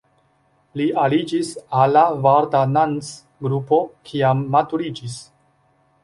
Li aliĝis al la Vardanantz-grupo kiam maturiĝis.